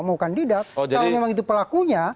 mau kandidat kalau memang itu pelakunya